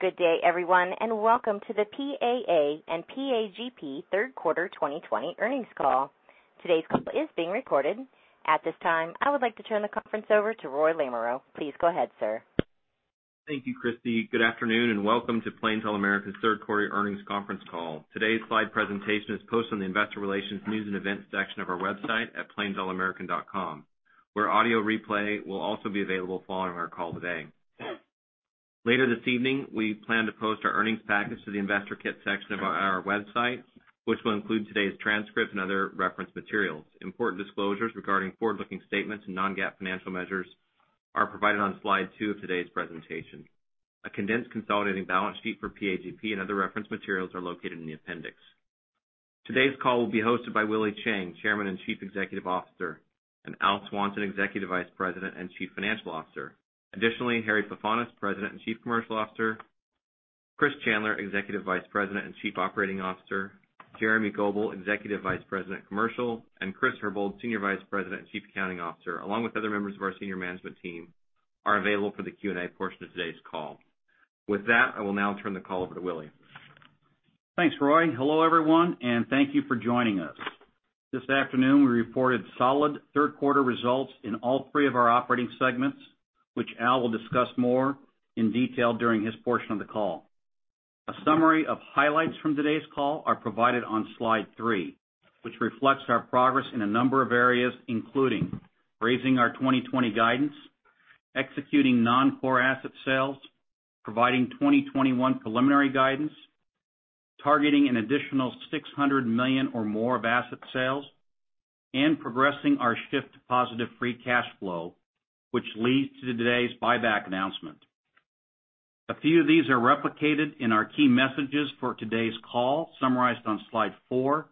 Good day everyone, and welcome to the PAA and PAGP third quarter 2020 earnings call. Today's call is being recorded. At this time, I would like to turn the conference over to Roy Lamoreaux. Please go ahead, sir. Thank you, Christy. Good afternoon, and welcome to Plains All American's third quarter earnings conference call. Today's slide presentation is posted on the investor relations news and events section of our website at plains.com, where audio replay will also be available following our call today. Later this evening, we plan to post our earnings package to the investor kit section of our website, which will include today's transcript and other reference materials. Important disclosures regarding forward-looking statements and non-GAAP financial measures are provided on slide two of today's presentation. A condensed consolidated balance sheet for PAGP and other reference materials are located in the appendix. Today's call will be hosted by Willie Chiang, Chairman and Chief Executive Officer, and Al Swanson, Executive Vice President and Chief Financial Officer. Additionally, Harry Pefanis, President and Chief Commercial Officer, Chris Chandler, Executive Vice President and Chief Operating Officer, Jeremy Goebel, Executive Vice President Commercial, and Chris Herbold, Senior Vice President and Chief Accounting Officer, along with other members of our senior management team, are available for the Q&A portion of today's call. With that, I will now turn the call over to Willie. Thanks, Roy. Hello, everyone, thank you for joining us. This afternoon, we reported solid third quarter results in all three of our operating segments, which Al will discuss more in detail during his portion of the call. A summary of highlights from today's call are provided on slide three, which reflects our progress in a number of areas, including raising our 2020 guidance, executing non-core asset sales, providing 2021 preliminary guidance, targeting an additional $600 million or more of asset sales, and progressing our shift to positive free cash flow, which leads to today's buyback announcement. A few of these are replicated in our key messages for today's call, summarized on slide four,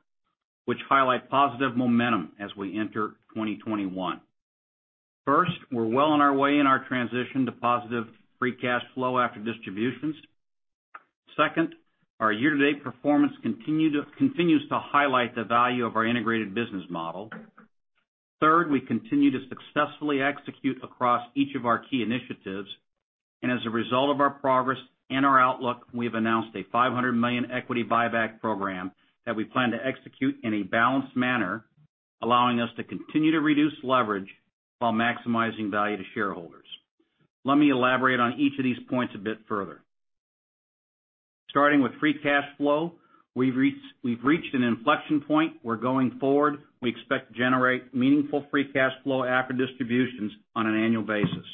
which highlight positive momentum as we enter 2021. We're well on our way in our transition to positive free cash flow after distributions. Second, our year-to-date performance continues to highlight the value of our integrated business model. Third, we continue to successfully execute across each of our key initiatives. As a result of our progress and our outlook, we've announced a $500 million equity buyback program that we plan to execute in a balanced manner, allowing us to continue to reduce leverage while maximizing value to shareholders. Let me elaborate on each of these points a bit further. Starting with free cash flow, we've reached an inflection point where going forward, we expect to generate meaningful free cash flow after distributions on an annual basis.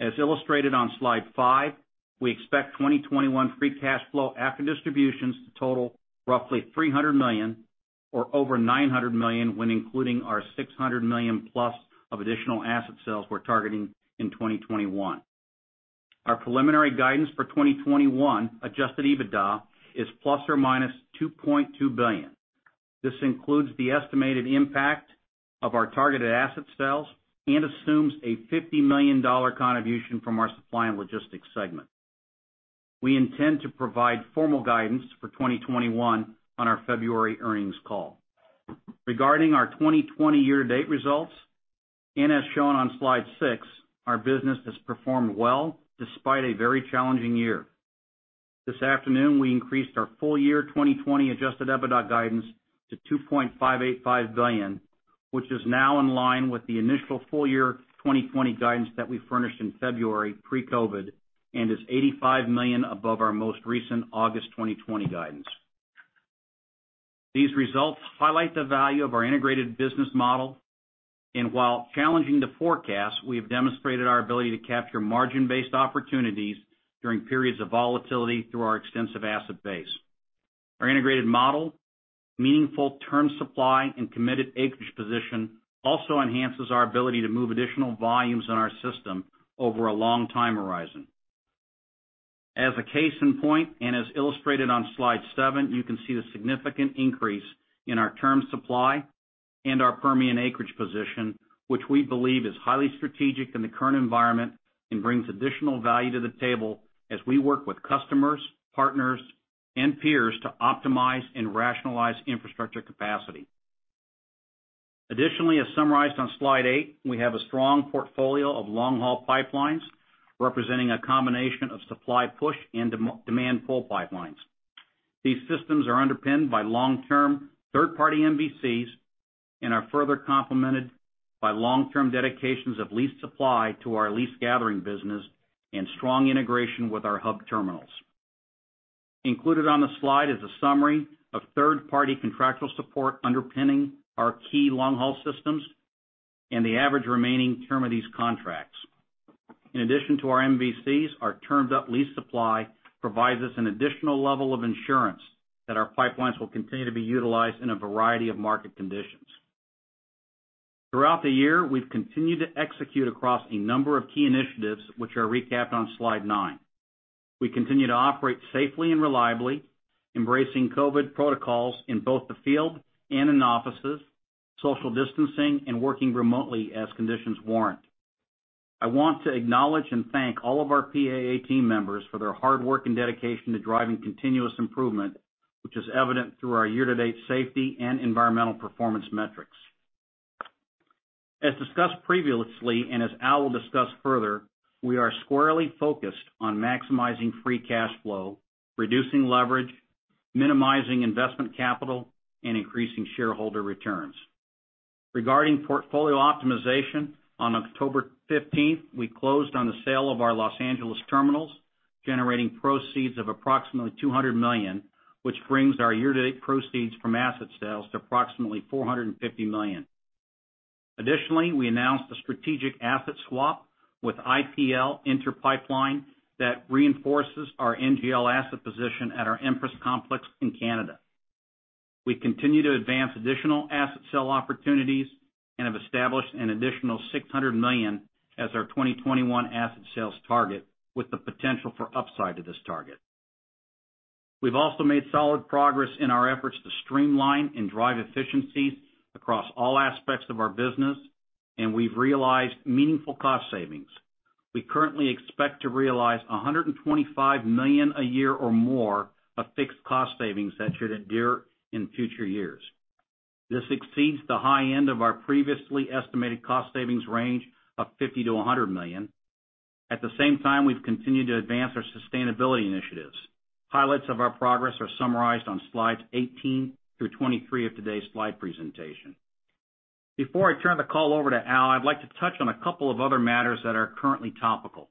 As illustrated on slide five, we expect 2021 free cash flow after distributions to total roughly $300 million, or over $900 million when including our $600 million-plus of additional asset sales we're targeting in 2021. Our preliminary guidance for 2021 adjusted EBITDA is ±$2.2 billion. This includes the estimated impact of our targeted asset sales and assumes a $50 million contribution from our Supply and Logistics segment. We intend to provide formal guidance for 2021 on our February earnings call. Regarding our 2020 year-to-date results, and as shown on slide six, our business has performed well despite a very challenging year. This afternoon, we increased our full year 2020 adjusted EBITDA guidance to $2.585 billion, which is now in line with the initial full year 2020 guidance that we furnished in February pre-COVID and is $85 million above our most recent August 2020 guidance. These results highlight the value of our integrated business model, and while challenging to forecast, we have demonstrated our ability to capture margin-based opportunities during periods of volatility through our extensive asset base. Our integrated model, meaningful term supply, and committed acreage position also enhances our ability to move additional volumes in our system over a long time horizon. As a case in point, and as illustrated on slide seven, you can see the significant increase in our term supply and our Permian acreage position, which we believe is highly strategic in the current environment and brings additional value to the table as we work with customers, partners, and peers to optimize and rationalize infrastructure capacity. Additionally, as summarized on slide eight, we have a strong portfolio of long-haul pipelines representing a combination of supply push and demand pull pipelines. These systems are underpinned by long-term third-party MVCs and are further complemented by long-term dedications of lease supply to our lease gathering business and strong integration with our hub terminals. Included on the slide is a summary of third-party contractual support underpinning our key long-haul systems and the average remaining term of these contracts. In addition to our MVCs, our termed up lease supply provides us an additional level of insurance that our pipelines will continue to be utilized in a variety of market conditions. Throughout the year, we've continued to execute across a number of key initiatives, which are recapped on slide nine. We continue to operate safely and reliably, embracing COVID protocols in both the field and in offices, social distancing, and working remotely as conditions warrant. I want to acknowledge and thank all of our PAA team members for their hard work and dedication to driving continuous improvement, which is evident through our year-to-date safety and environmental performance metrics. As discussed previously, and as Al will discuss further, we are squarely focused on maximizing free cash flow, reducing leverage, minimizing investment capital, and increasing shareholder returns. Regarding portfolio optimization, on October 15th, we closed on the sale of our Los Angeles terminals, generating proceeds of approximately $200 million, which brings our year-to-date proceeds from asset sales to approximately $450 million. Additionally, we announced a strategic asset swap with IPL, Inter Pipeline, that reinforces our NGL asset position at our Empress complex in Canada. We continue to advance additional asset sale opportunities and have established an additional $600 million as our 2021 asset sales target, with the potential for upside to this target. We've also made solid progress in our efforts to streamline and drive efficiencies across all aspects of our business, and we've realized meaningful cost savings. We currently expect to realize $125 million a year or more of fixed cost savings that should endure in future years. This exceeds the high end of our previously estimated cost savings range of $50 million-$100 million. At the same time, we've continued to advance our sustainability initiatives. Highlights of our progress are summarized on slides 18-23 of today's slide presentation. Before I turn the call over to Al, I'd like to touch on a couple of other matters that are currently topical.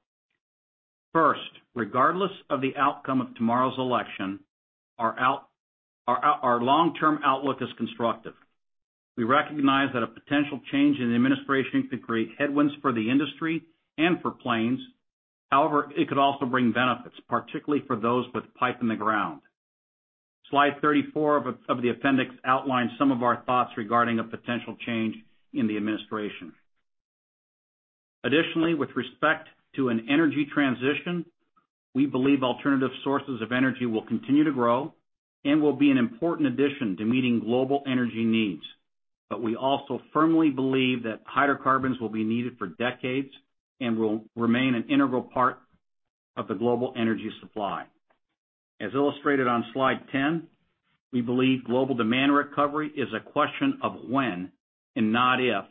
First, regardless of the outcome of tomorrow's election, our long-term outlook is constructive. We recognize that a potential change in the administration could create headwinds for the industry and for Plains. It could also bring benefits, particularly for those with pipe in the ground. Slide 34 of the appendix outlines some of our thoughts regarding a potential change in the administration. With respect to an energy transition, we believe alternative sources of energy will continue to grow and will be an important addition to meeting global energy needs. We also firmly believe that hydrocarbons will be needed for decades and will remain an integral part of the global energy supply. As illustrated on slide 10, we believe global demand recovery is a question of when and not if,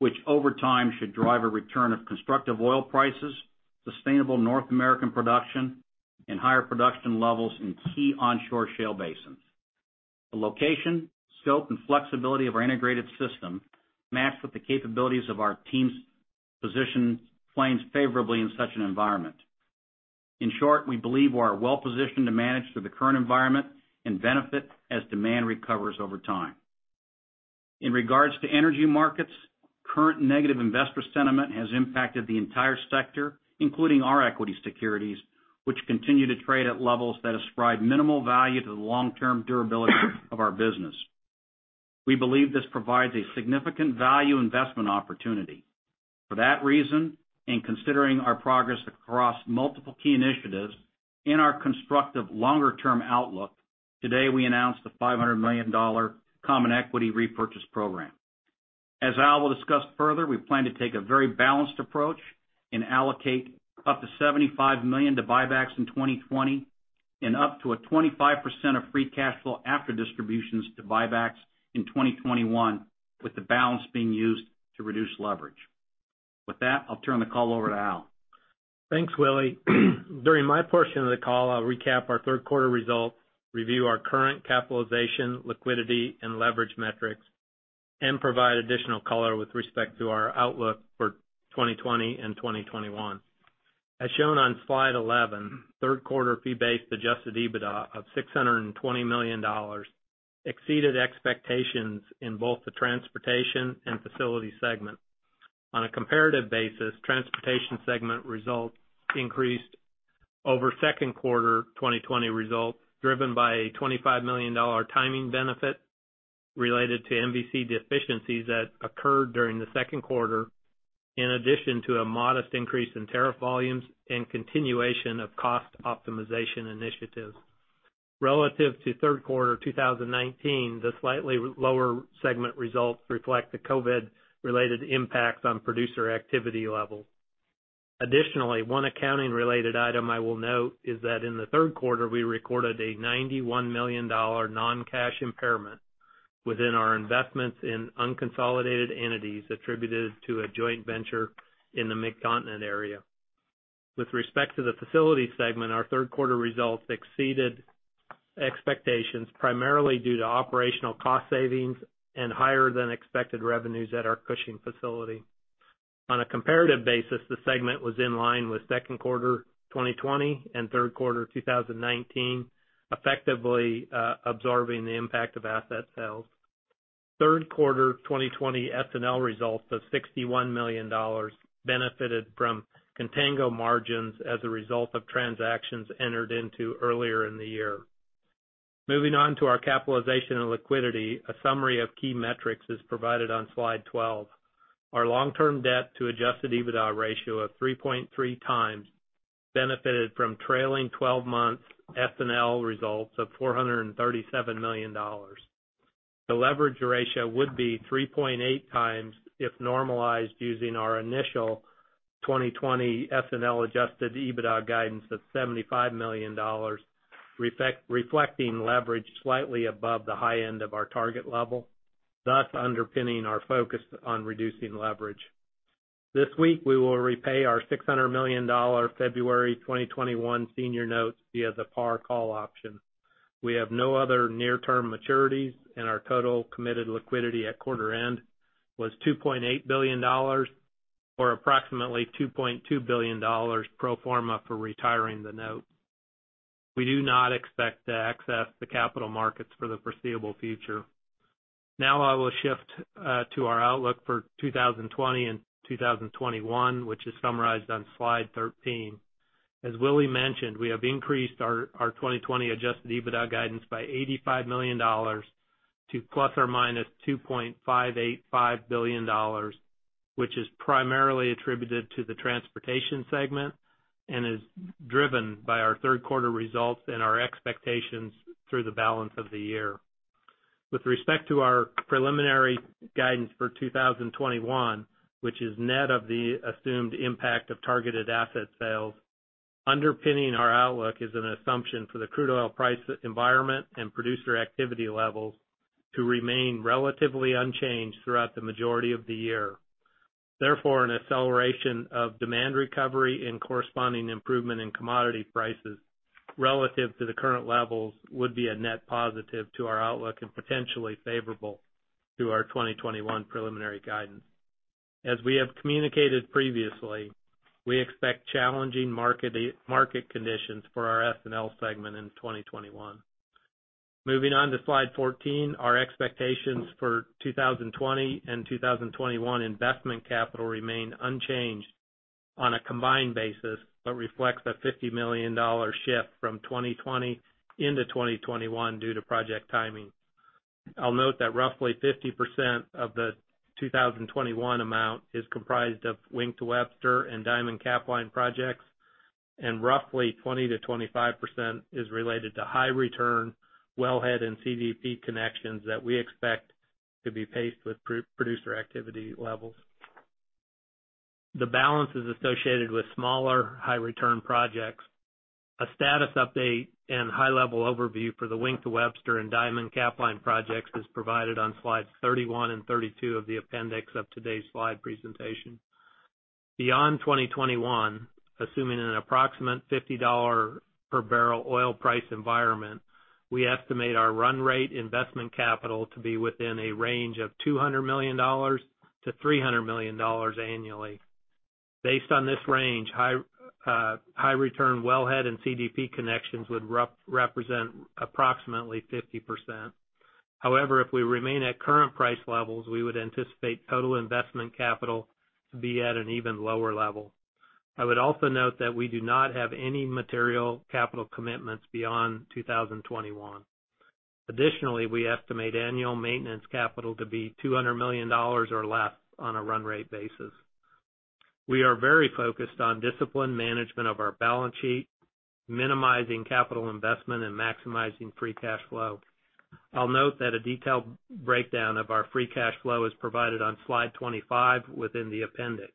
which over time should drive a return of constructive oil prices, sustainable North American production, and higher production levels in key onshore shale basins. The location, scope, and flexibility of our integrated system matched with the capabilities of our teams position Plains favorably in such an environment. In short, we believe we are well-positioned to manage through the current environment and benefit as demand recovers over time. In regards to energy markets, current negative investor sentiment has impacted the entire sector, including our equity securities, which continue to trade at levels that ascribe minimal value to the long-term durability of our business. We believe this provides a significant value investment opportunity. For that reason, in considering our progress across multiple key initiatives in our constructive longer-term outlook, today we announced a $500 million common equity repurchase program. As Al will discuss further, we plan to take a very balanced approach and allocate up to $75 million to buybacks in 2020 and up to a 25% of free cash flow after distributions to buybacks in 2021, with the balance being used to reduce leverage. With that, I'll turn the call over to Al. Thanks, Willie. During my portion of the call, I'll recap our third quarter results, review our current capitalization, liquidity, and leverage metrics, and provide additional color with respect to our outlook for 2020 and 2021. As shown on slide 11, third quarter fee-based adjusted EBITDA of $620 million exceeded expectations in both the transportation and facility segment. On a comparative basis, transportation segment results increased over second quarter 2020 results, driven by a $25 million timing benefit related to MVC deficiencies that occurred during the second quarter, in addition to a modest increase in tariff volumes and continuation of cost optimization initiatives. Relative to third quarter 2019, the slightly lower segment results reflect the COVID-related impacts on producer activity levels. Additionally, one accounting-related item I will note is that in the third quarter, we recorded a $91 million non-cash impairment within our investments in unconsolidated entities attributed to a joint venture in the Midcontinent area. With respect to the facility segment, our third quarter results exceeded expectations primarily due to operational cost savings and higher than expected revenues at our Cushing facility. On a comparative basis, the segment was in line with second quarter 2020 and third quarter 2019, effectively absorbing the impact of asset sales. Third quarter 2020 S&L results of $61 million benefited from contango margins as a result of transactions entered into earlier in the year. Moving on to our capitalization and liquidity, a summary of key metrics is provided on slide 12. Our long-term debt to adjusted EBITDA ratio of 3.3x benefited from trailing 12 months S&L results of $437 million. The leverage ratio would be 3.8x if normalized using our initial 2020 S&L adjusted EBITDA guidance of $75 million, reflecting leverage slightly above the high end of our target level, thus underpinning our focus on reducing leverage. This week, we will repay our $600 million February 2021 senior notes via the par call option. We have no other near-term maturities, and our total committed liquidity at quarter end was $2.8 billion, or approximately $2.2 billion pro forma for retiring the note. We do not expect to access the capital markets for the foreseeable future. Now I will shift to our outlook for 2020 and 2021, which is summarized on slide 13. As Willie mentioned, we have increased our 2020 adjusted EBITDA guidance by $85 million to ±$2.585 billion, which is primarily attributed to the transportation segment and is driven by our third quarter results and our expectations through the balance of the year. With respect to our preliminary guidance for 2021, which is net of the assumed impact of targeted asset sales, underpinning our outlook is an assumption for the crude oil price environment and producer activity levels to remain relatively unchanged throughout the majority of the year. An acceleration of demand recovery and corresponding improvement in commodity prices relative to the current levels would be a net positive to our outlook and potentially favorable to our 2021 preliminary guidance. As we have communicated previously, we expect challenging market conditions for our S&L segment in 2021. Moving on to slide 14, our expectations for 2020 and 2021 investment capital remain unchanged on a combined basis, but reflects a $50 million shift from 2020 into 2021 due to project timing. I'll note that roughly 50% of the 2021 amount is comprised of Wink to Webster and Diamond Capline projects, and roughly 20%-25% is related to high return wellhead and CDP connections that we expect to be paced with producer activity levels. The balance is associated with smaller high return projects. A status update and high-level overview for the Wink to Webster and Diamond Capline projects is provided on slides 31 and 32 of the appendix of today's slide presentation. Beyond 2021, assuming an approximate $50 per bbl oil price environment, we estimate our run rate investment capital to be within a range of $200 million-$300 million annually. Based on this range, high return wellhead and CDP connections would represent approximately 50%. However, if we remain at current price levels, we would anticipate total investment capital to be at an even lower level. I would also note that we do not have any material capital commitments beyond 2021. Additionally, we estimate annual maintenance capital to be $200 million or less on a run rate basis. We are very focused on disciplined management of our balance sheet, minimizing capital investment, and maximizing free cash flow. I'll note that a detailed breakdown of our free cash flow is provided on slide 25 within the appendix.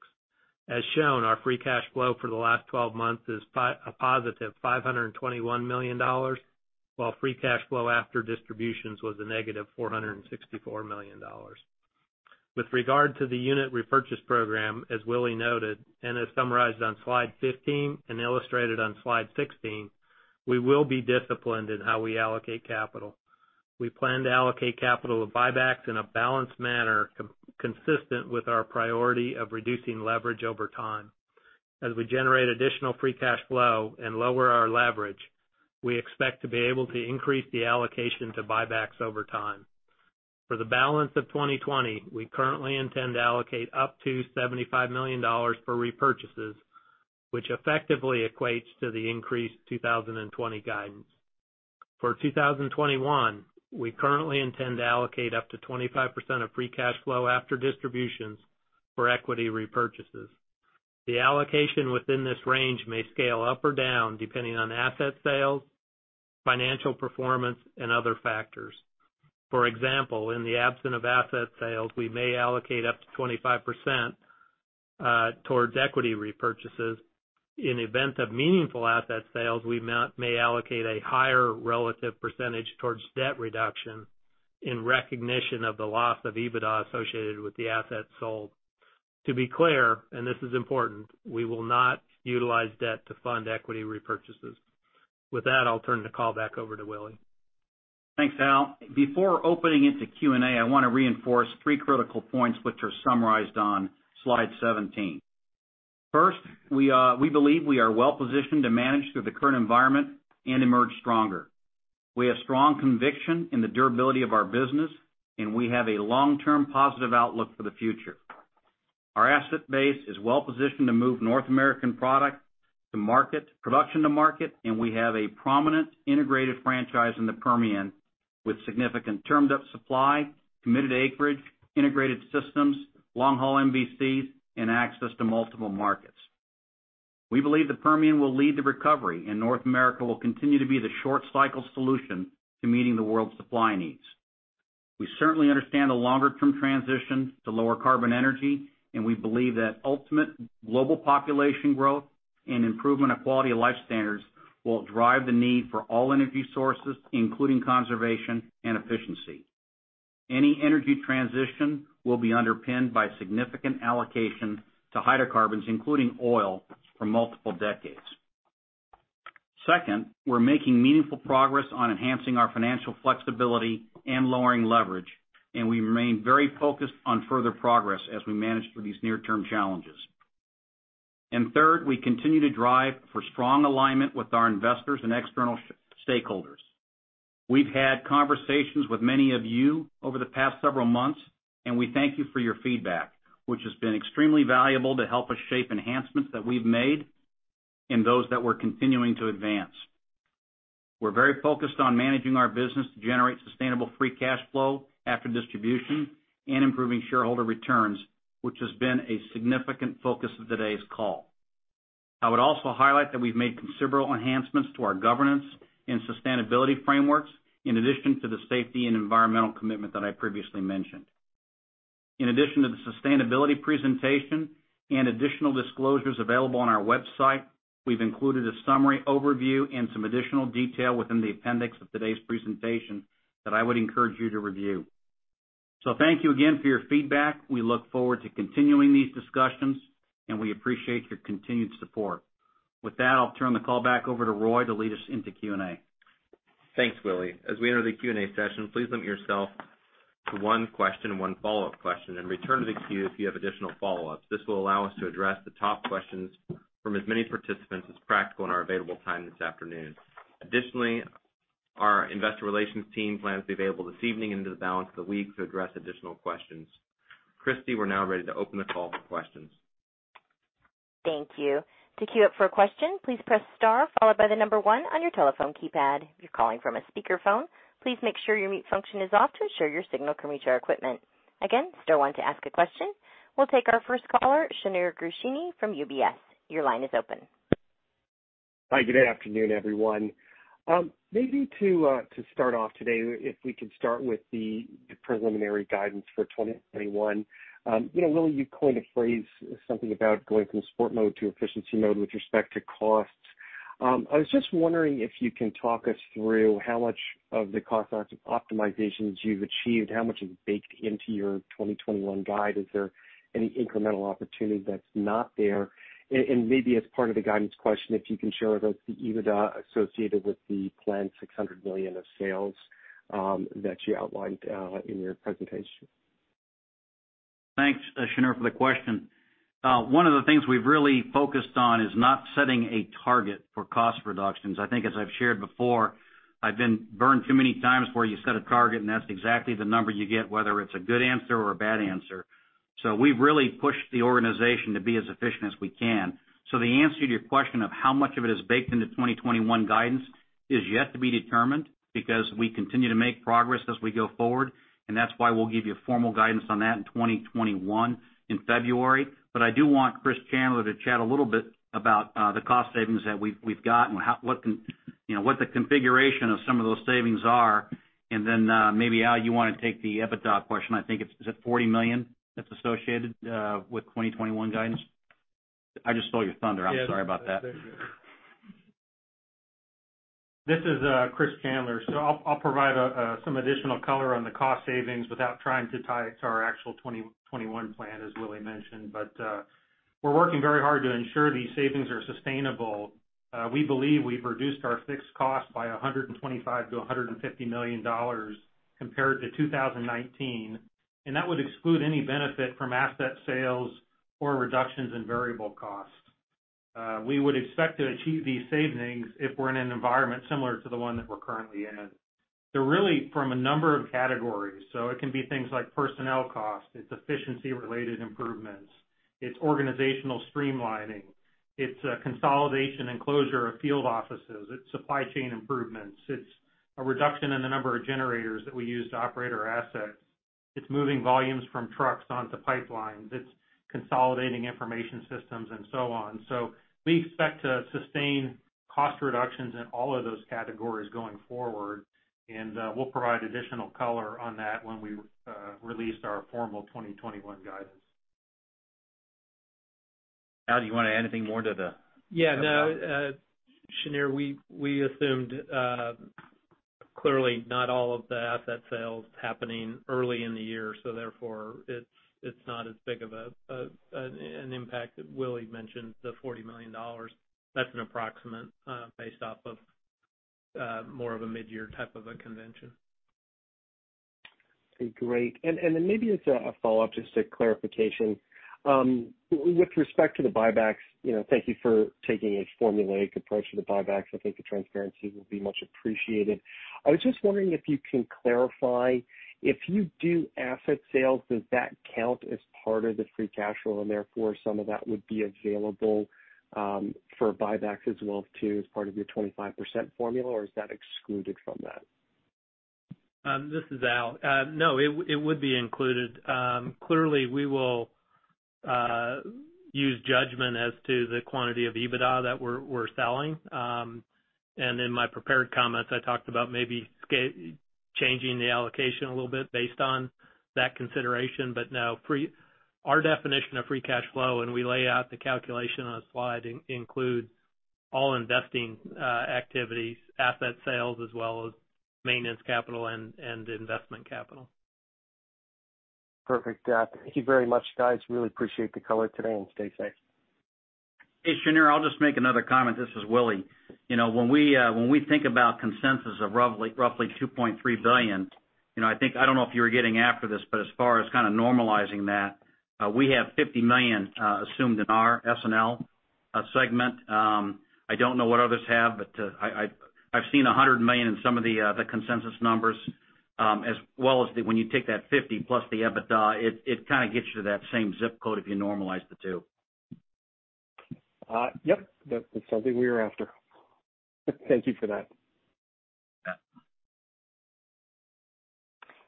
As shown, our free cash flow for the last 12 months is a positive $521 million, while free cash flow after distributions was a negative $464 million. With regard to the unit repurchase program, as Willie noted and is summarized on slide 15 and illustrated on slide 16, we will be disciplined in how we allocate capital. We plan to allocate capital to buybacks in a balanced manner consistent with our priority of reducing leverage over time. As we generate additional free cash flow and lower our leverage, we expect to be able to increase the allocation to buybacks over time. For the balance of 2020, we currently intend to allocate up to $75 million for repurchases, which effectively equates to the increased 2020 guidance. For 2021, we currently intend to allocate up to 25% of free cash flow after distributions for equity repurchases. The allocation within this range may scale up or down depending on asset sales, financial performance, and other factors. For example, in the absence of asset sales, we may allocate up to 25% towards equity repurchases. In event of meaningful asset sales, we may allocate a higher relative percentage towards debt reduction in recognition of the loss of EBITDA associated with the assets sold. To be clear, and this is important, we will not utilize debt to fund equity repurchases. With that, I'll turn the call back over to Willie. Thanks, Al. Before opening it to Q&A, I want to reinforce three critical points which are summarized on slide 17. We believe we are well positioned to manage through the current environment and emerge stronger. We have strong conviction in the durability of our business, we have a long-term positive outlook for the future. Our asset base is well positioned to move North American production to market, we have a prominent integrated franchise in the Permian with significant termed-up supply, committed acreage, integrated systems, long-haul MVCs, and access to multiple markets. We believe the Permian will lead the recovery, North America will continue to be the short cycle solution to meeting the world's supply needs. We certainly understand the longer-term transition to lower carbon energy. We believe that ultimate global population growth and improvement of quality of life standards will drive the need for all energy sources, including conservation and efficiency. Any energy transition will be underpinned by significant allocation to hydrocarbons, including oil, for multiple decades. Second, we're making meaningful progress on enhancing our financial flexibility and lowering leverage. We remain very focused on further progress as we manage through these near-term challenges. Third, we continue to drive for strong alignment with our investors and external stakeholders. We've had conversations with many of you over the past several months. We thank you for your feedback, which has been extremely valuable to help us shape enhancements that we've made and those that we're continuing to advance. We're very focused on managing our business to generate sustainable free cash flow after distribution and improving shareholder returns, which has been a significant focus of today's call. I would also highlight that we've made considerable enhancements to our governance and sustainability frameworks, in addition to the safety and environmental commitment that I previously mentioned. In addition to the sustainability presentation and additional disclosures available on our website, we've included a summary overview and some additional detail within the appendix of today's presentation that I would encourage you to review. Thank you again for your feedback. We look forward to continuing these discussions, and we appreciate your continued support. With that, I'll turn the call back over to Roy to lead us into Q&A. Thanks, Willie. As we enter the Q&A session, please limit yourself to one question and one follow-up question. Return to the queue if you have additional follow-ups. This will allow us to address the top questions from as many participants as practical in our available time this afternoon. Additionally, our investor relations team plans to be available this evening into the balance of the week to address additional questions. Christie, we're now ready to open the call for questions. Thank you. To queue up for a question, please press star followed by the number one on your telephone keypad. If you're calling from a speakerphone, please make sure your mute function is off to ensure your signal can reach our equipment. Again, star one to ask a question. We'll take our first caller, Shneur Gershuni from UBS. Your line is open. Hi. Good afternoon, everyone. To start off today, if we could start with the preliminary guidance for 2021. Willie, you coined a phrase, something about going from sport mode to efficiency mode with respect to costs. I was just wondering if you can talk us through how much of the cost optimizations you've achieved, how much is baked into your 2021 guide. Is there any incremental opportunity that's not there? As part of the guidance question, if you can share with us the EBITDA associated with the planned $600 million of sales that you outlined in your presentation. Thanks, Shneur, for the question. One of the things we've really focused on is not setting a target for cost reductions. I think as I've shared before, I've been burned too many times where you set a target, and that's exactly the number you get, whether it's a good answer or a bad answer. We've really pushed the organization to be as efficient as we can. The answer to your question of how much of it is baked into 2021 guidance is yet to be determined because we continue to make progress as we go forward, and that's why we'll give you formal guidance on that in 2021 in February. I do want Chris Chandler to chat a little bit about the cost savings that we've gotten, what the configuration of some of those savings are, maybe, Al, you want to take the EBITDA question. I think it's at $40 million that's associated with 2021 guidance. I just stole your thunder. I'm sorry about that. This is Chris Chandler. I'll provide some additional color on the cost savings without trying to tie it to our actual 2021 plan, as Willie mentioned. We're working very hard to ensure these savings are sustainable. We believe we've reduced our fixed cost by $125 million-$150 million compared to 2019, that would exclude any benefit from asset sales or reductions in variable costs. We would expect to achieve these savings if we're in an environment similar to the one that we're currently in. They're really from a number of categories. It can be things like personnel costs, it's efficiency-related improvements, it's organizational streamlining, it's consolidation and closure of field offices, it's supply chain improvements, it's a reduction in the number of generators that we use to operate our assets. It's moving volumes from trucks onto pipelines. It's consolidating information systems and so on. We expect to sustain cost reductions in all of those categories going forward, and we'll provide additional color on that when we release our formal 2021 guidance. Al, do you want to add anything more? Yeah. Shneur, we assumed, clearly not all of the asset sales happening early in the year, so therefore it's not as big of an impact that Willie mentioned, the $40 million. That's an approximate based off of more of a mid-year type of a convention. Okay, great. Maybe as a follow-up, just a clarification. With respect to the buybacks, thank you for taking a formulaic approach to the buybacks. I think the transparency will be much appreciated. I was just wondering if you can clarify, if you do asset sales, does that count as part of the free cash flow, and therefore some of that would be available for buybacks as well too, as part of your 25% formula, or is that excluded from that? This is Al. No, it would be included. Clearly, we will use judgment as to the quantity of EBITDA that we're selling. In my prepared comments, I talked about maybe changing the allocation a little bit based on that consideration. No, our definition of free cash flow, and we lay out the calculation on a slide, includes all investing activities, asset sales, as well as maintenance capital and investment capital. Perfect. Thank you very much, guys. Really appreciate the color today, and stay safe. Hey, Shneur, I'll just make another comment. This is Willie. When we think about consensus of roughly $2.3 billion, I don't know if you were getting after this, but as far as normalizing that, we have $50 million assumed in our S&L segment. I don't know what others have, but I've seen $100 million in some of the consensus numbers, as well as when you take that $50 plus the EBITDA, it gets you to that same zip code if you normalize the two. Yep. That's something we were after. Thank you for that.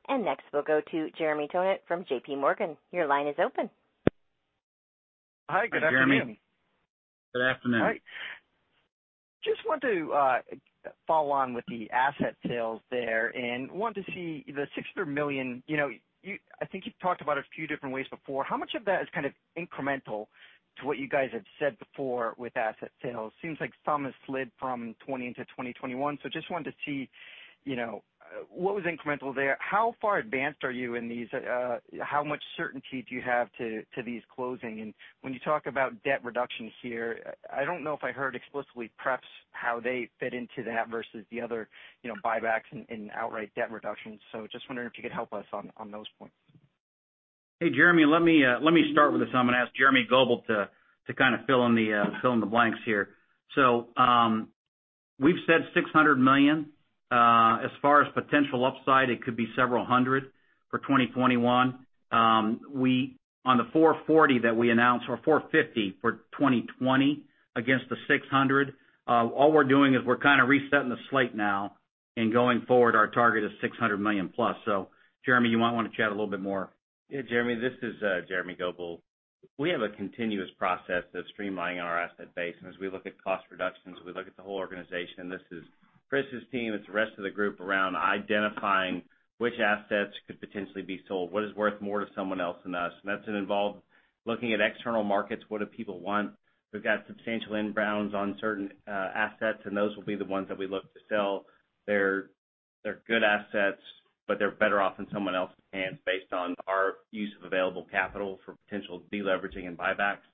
Yeah. Next, we'll go to Jeremy Tonet from JPMorgan. Your line is open. Hi, good afternoon. Hi, Jeremy. Good afternoon. Hi. Just wanted to follow on with the asset sales there and wanted to see the $600 million. I think you've talked about it a few different ways before. How much of that is incremental to what you guys had said before with asset sales? Seems like some has slid from 2020 into 2021. Just wanted to see what was incremental there. How far advanced are you in these? How much certainty do you have to these closing? When you talk about debt reduction here, I don't know if I heard explicitly, perhaps, how they fit into that versus the other buybacks and outright debt reductions. Just wondering if you could help us on those points. Hey, Jeremy, let me start with this. I'm going to ask Jeremy Goebel to fill in the blanks here. We've said $600 million. As far as potential upside, it could be $ several hundred for 2021. On the $440 that we announced, or $450 for 2020 against the $600, all we're doing is we're resetting the slate now. Going forward, our target is $600 million plus. Jeremy, you might want to chat a little bit more. Yeah, Jeremy, this is Jeremy Goebel. We have a continuous process of streamlining our asset base, and as we look at cost reductions, we look at the whole organization. This is Chris's team, it's the rest of the group around identifying which assets could potentially be sold, what is worth more to someone else than us. That's involved looking at external markets. What do people want? We've got substantial inbounds on certain assets, and those will be the ones that we look to sell. They're good assets, but they're better off in someone else's hands based on our use of available capital for potential de-leveraging and buybacks.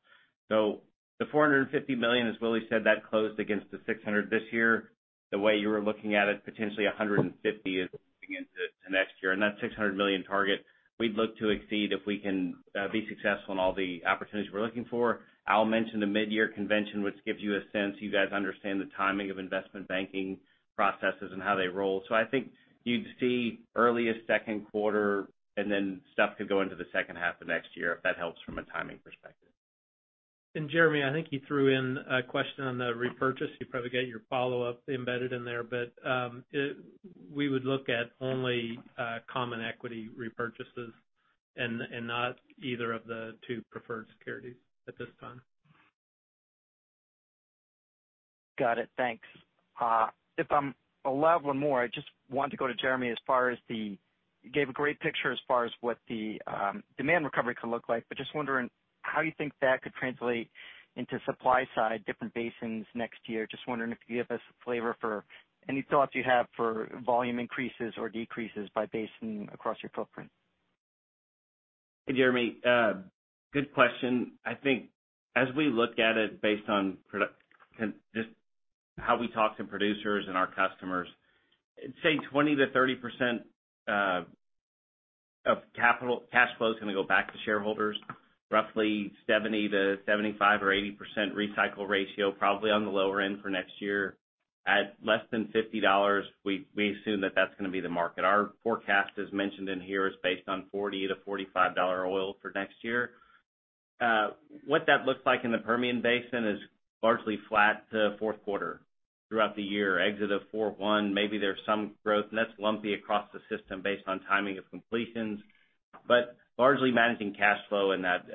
The $450 million, as Willie said, that closed against the $600 million this year. The way you were looking at it, potentially $150 million is moving into next year. That $600 million target we'd look to exceed if we can be successful in all the opportunities we're looking for. Al mentioned the mid-year convention, which gives you a sense. You guys understand the timing of investment banking processes and how they roll. I think you'd see early as second quarter, and then stuff could go into the second half of next year if that helps from a timing perspective. Jeremy, I think you threw in a question on the repurchase. You probably got your follow-up embedded in there, we would look at only common equity repurchases and not either of the two preferred securities at this time. Got it. Thanks. If I'm allowed one more, I just wanted to go to Jeremy as far as You gave a great picture as far as what the demand recovery could look like, but just wondering how you think that could translate into supply side different basins next year. Just wondering if you could give us a flavor for any thoughts you have for volume increases or decreases by basin across your footprint. Hey, Jeremy. Good question. I think as we look at it based on just how we talk to producers and our customers, I'd say 20%-30% of cash flow is going to go back to shareholders. Roughly 70%-75% or 80% recycle ratio, probably on the lower end for next year. At less than $50, we assume that that's going to be the market. Our forecast, as mentioned in here, is based on $40-$45 oil for next year. What that looks like in the Permian Basin is largely flat to fourth quarter throughout the year. Exit of 41, maybe there's some growth, and that's lumpy across the system based on timing of completions, but largely managing cash flow in that.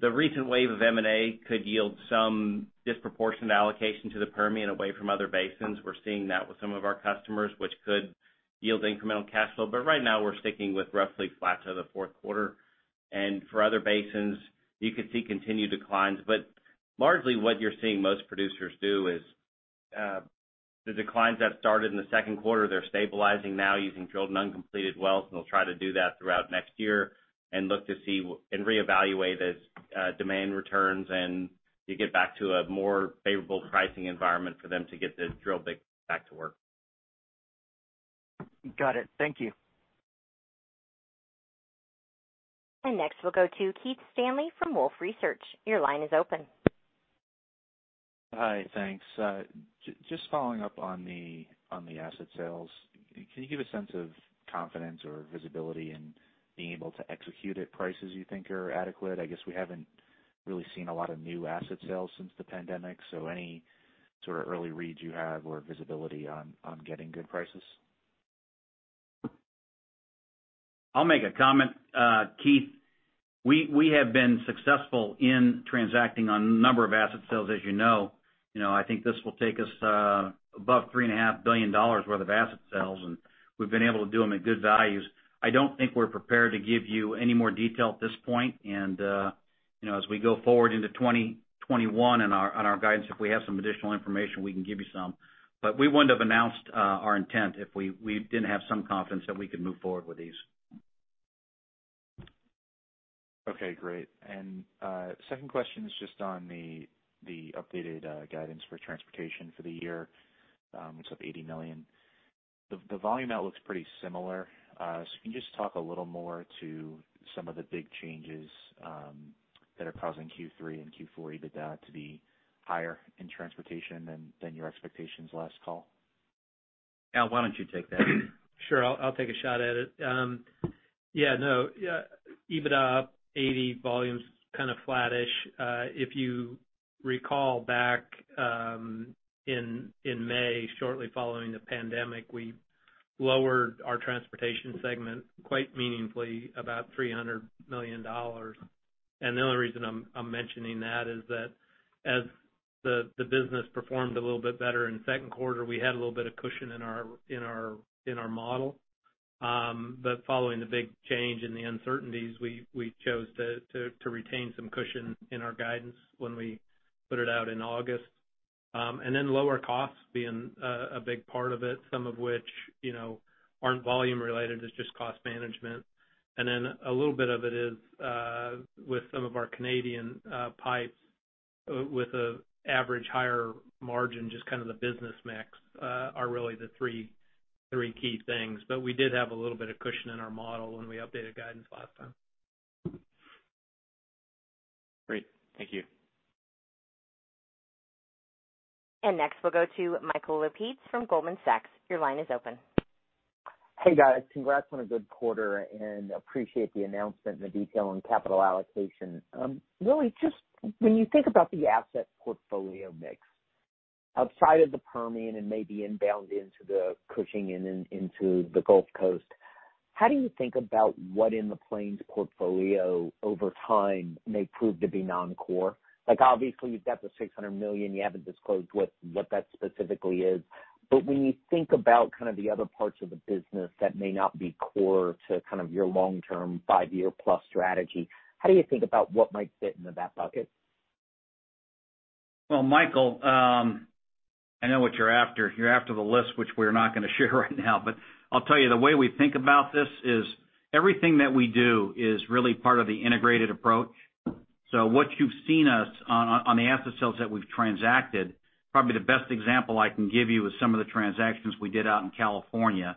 The recent wave of M&A could yield some disproportionate allocation to the Permian away from other basins. We're seeing that with some of our customers, which could yield incremental cash flow. Right now, we're sticking with roughly flat to the fourth quarter. For other basins, you could see continued declines. Largely what you're seeing most producers do is the declines that started in the second quarter, they're stabilizing now using drilled and uncompleted wells, and they'll try to do that throughout next year and look to see and reevaluate as demand returns and you get back to a more favorable pricing environment for them to get the drill bit back to work. Got it. Thank you. Next, we'll go to Keith Stanley from Wolfe Research. Your line is open. Hi. Thanks. Just following up on the asset sales, can you give a sense of confidence or visibility in being able to execute at prices you think are adequate? I guess we haven't really seen a lot of new asset sales since the pandemic. Any sort of early reads you have or visibility on getting good prices? I'll make a comment, Keith. We have been successful in transacting on a number of asset sales, as you know. I think this will take us above $3.5 billion worth of asset sales, and we've been able to do them at good values. I don't think we're prepared to give you any more detail at this point. As we go forward into 2021 on our guidance, if we have some additional information, we can give you some. We wouldn't have announced our intent if we didn't have some confidence that we could move forward with these. Okay, great. Second question is just on the updated guidance for transportation for the year. It's up $80 million. The volume outlook's pretty similar. Can you just talk a little more to some of the big changes that are causing Q3 and Q4 EBITDA to be higher in transportation than your expectations last call? Al, why don't you take that? Sure. I'll take a shot at it. Yeah, no. EBITDA up $80 million, volume's kind of flat-ish. If you recall back in May, shortly following the pandemic, we lowered our transportation segment quite meaningfully, about $300 million. The only reason I'm mentioning that is that as the business performed a little bit better in the second quarter, we had a little bit of cushion in our model. Following the big change in the uncertainties, we chose to retain some cushion in our guidance when we put it out in August. Lower costs being a big part of it, some of which aren't volume related, it's just cost management. A little bit of it is with some of our Canadian pipes with an average higher margin, just kind of the business mix are really the three key things. We did have a little bit of cushion in our model when we updated guidance last time. Great. Thank you. Next, we'll go to Michael Lapides from Goldman Sachs. Your line is open. Hey, guys. Congrats on a good quarter, and appreciate the announcement and the detail on capital allocation. Willie, just when you think about the asset portfolio mix outside of the Permian and maybe inbound into the Cushing and into the Gulf Coast, how do you think about what in the Plains portfolio over time may prove to be non-core? Obviously, you've got the $600 million. You haven't disclosed what that specifically is. When you think about kind of the other parts of the business that may not be core to kind of your long-term five-year-plus strategy, how do you think about what might fit into that bucket? Well, Michael, I know what you're after. You're after the list, which we're not going to share right now. I'll tell you, the way we think about this is everything that we do is really part of the integrated approach. What you've seen us on the asset sales that we've transacted, probably the best example I can give you is some of the transactions we did out in California.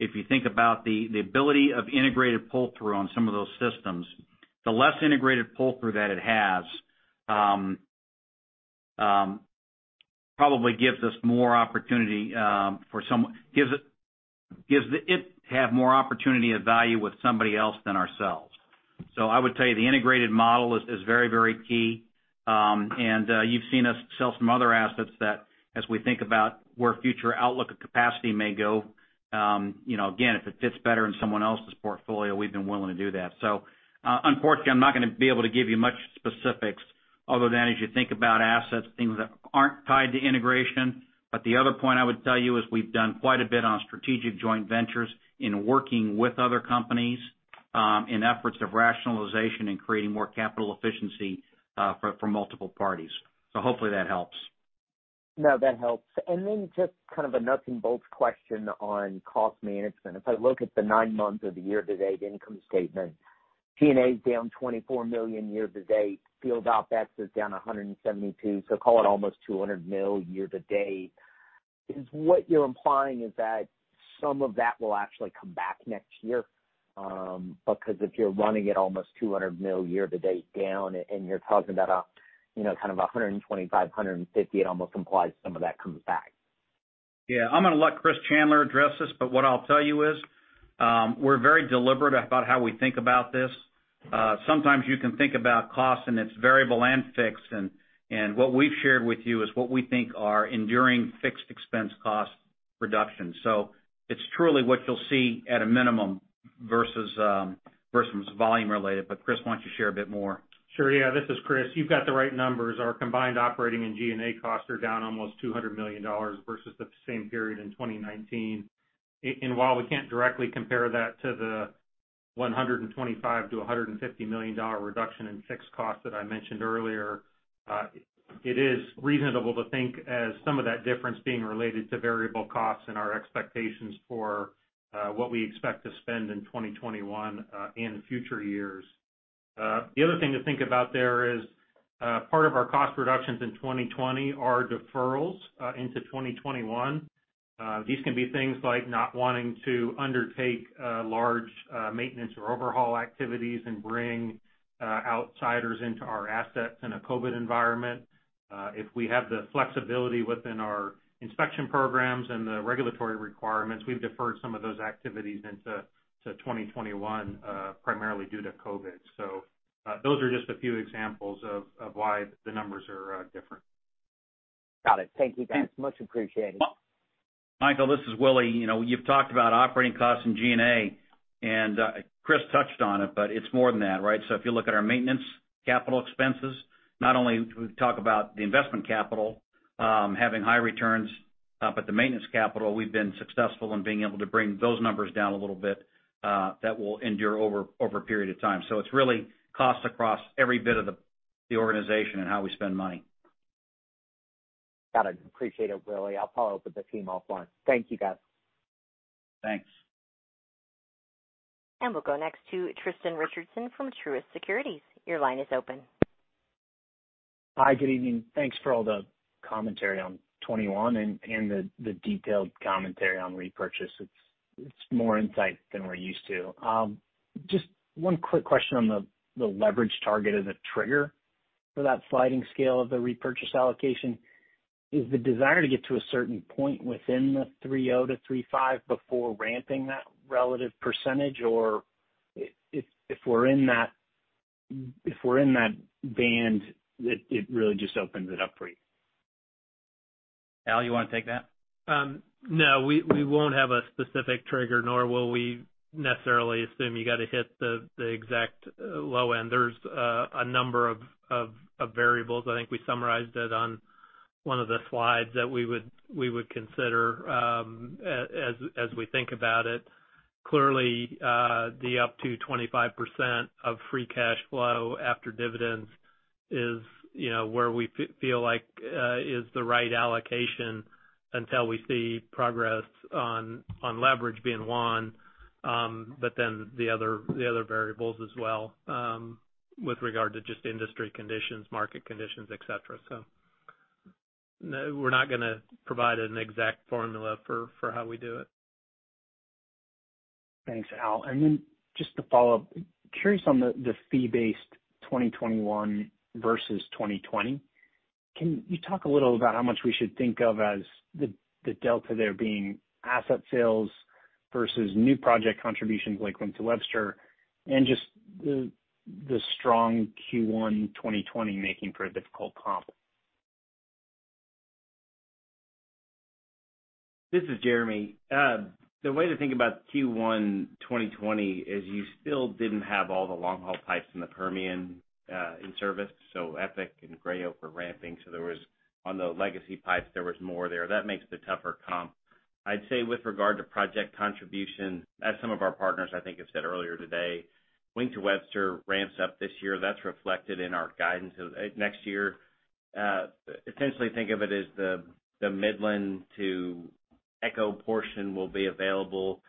If you think about the ability of integrated pull-through on some of those systems, the less integrated pull-through that it has probably gives it more opportunity of value with somebody else than ourselves. I would tell you the integrated model is very key. You've seen us sell some other assets that as we think about where future outlook of capacity may go, again, if it fits better in someone else's portfolio, we've been willing to do that. Unfortunately, I'm not going to be able to give you much specifics other than as you think about assets, things that aren't tied to integration. The other point I would tell you is we've done quite a bit on strategic joint ventures in working with other companies in efforts of rationalization and creating more capital efficiency for multiple parties. Hopefully that helps. No, that helps. Just kind of a nuts and bolts question on cost management. If I look at the nine months of the year-to-date income statement, G&A is down $24 million year to date. Field OpEx is down $172 million, so call it almost $200 million year to date. Is what you're implying is that some of that will actually come back next year? If you're running at almost $200 million year to date down, and you're talking about kind of $125 million-$150 million, it almost implies some of that comes back. I'm going to let Chris Chandler address this, but what I'll tell you is we're very deliberate about how we think about this. Sometimes you can think about cost, and it's variable and fixed, and what we've shared with you is what we think are enduring fixed expense cost reductions. It's truly what you'll see at a minimum versus volume related. Chris, why don't you share a bit more? Sure. Yeah. This is Chris. You've got the right numbers. Our combined operating and G&A costs are down almost $200 million versus the same period in 2019. While we can't directly compare that to the $125 million-$150 million reduction in fixed costs that I mentioned earlier, it is reasonable to think as some of that difference being related to variable costs and our expectations for what we expect to spend in 2021 and future years. The other thing to think about there is part of our cost reductions in 2020 are deferrals into 2021. These can be things like not wanting to undertake large maintenance or overhaul activities and bring outsiders into our assets in a COVID environment. If we have the flexibility within our inspection programs and the regulatory requirements, we've deferred some of those activities into 2021 primarily due to COVID. Those are just a few examples of why the numbers are different. Got it. Thank you, guys. Much appreciated. Michael, this is Willie. You've talked about operating costs and G&A, and Chris touched on it, but it's more than that, right? If you look at our maintenance capital expenses, not only do we talk about the investment capital having high returns, but the maintenance capital, we've been successful in being able to bring those numbers down a little bit that will endure over a period of time. It's really costs across every bit of the organization and how we spend money. Got it. Appreciate it, Willie. I'll follow up with the team offline. Thank you, guys. Thanks. We'll go next to Tristan Richardson from Truist Securities. Your line is open. Hi, good evening. Thanks for all the commentary on 2021 and the detailed commentary on repurchase. It's more insight than we're used to. Just one quick question on the leverage target as a trigger for that sliding scale of the repurchase allocation. Is the desire to get to a certain point within the 3.0 to 3.5 before ramping that relative percentage? Or if we're in that band, it really just opens it up for you? Al, you want to take that? We won't have a specific trigger, nor will we necessarily assume you got to hit the exact low end. There's a number of variables. I think we summarized it on one of the slides that we would consider as we think about it. Clearly, the up to 25% of free cash flow after dividends is where we feel like is the right allocation until we see progress on leverage being one, but then the other variables as well, with regard to just industry conditions, market conditions, et cetera. No, we're not going to provide an exact formula for how we do it. Thanks, Al. Just to follow up, curious on the fee-based 2021 versus 2020. Can you talk a little about how much we should think of as the delta there being asset sales versus new project contributions like Wink to Webster and just the strong Q1 2020 making for a difficult comp? This is Jeremy. The way to think about Q1 2020 is you still didn't have all the long-haul pipes in the Permian in service. EPIC and Gray Oak were ramping. On the legacy pipes, there was more there. That makes the tougher comp. I'd say with regard to project contribution, as some of our partners I think have said earlier today, Wink to Webster ramps up this year. That's reflected in our guidance. Next year, essentially think of it as the Midland to Echo portion will be available.